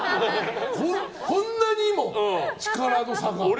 こんなにも力の差が！って。